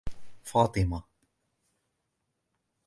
فاطمة